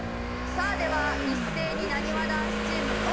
さあでは一斉になにわ男子チームオープン！